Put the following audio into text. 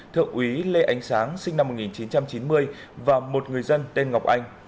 thượng úy lê ánh sáng sinh năm một nghìn chín trăm chín mươi và một người dân tên ngọc anh